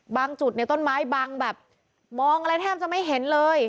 จุดในต้นไม้บังแบบมองอะไรแทบจะไม่เห็นเลย